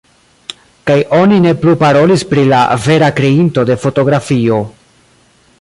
Kaj oni ne plu parolis pri la vera kreinto de fotografio.